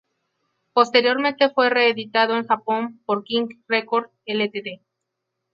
Posteriormente fue reeditado en Japón por King Record Ltd.